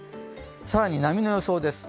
更に波の予想です。